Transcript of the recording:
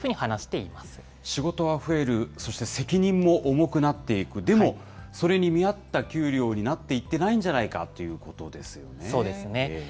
仕事は増える、そして責任も重くなっていく、でもそれに見合った給料になっていってないんじゃないかというこそうですね。